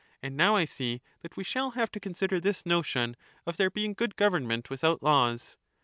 And now I see that we shall have to consider this notion of there being good government without laws.